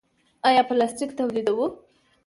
آیا پلاستیک تولیدوو؟